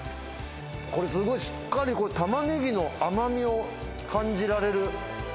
これ、すごいしっかりタマネギの甘みを感じられる。